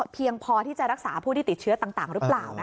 เพียงพอที่จะรักษาผู้ที่ติดเชื้อต่างหรือเปล่า